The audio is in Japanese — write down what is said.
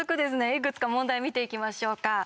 いくつか問題を見ていきましょうか。